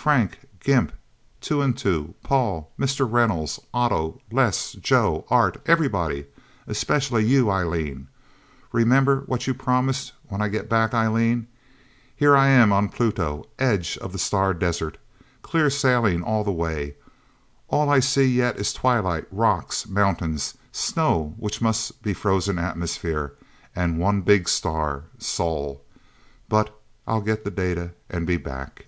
"... Frank, Gimp, Two and Two, Paul, Mr. Reynolds, Otto, Les, Joe, Art, everybody especially you, Eileen remember what you promised, when I get back, Eileen...! Here I am, on Pluto edge of the star desert! Clear sailing all the way. All I see, yet, is twilight, rocks, mountains, snow which must be frozen atmosphere and one big star, Sol. But I'll get the data, and be back..."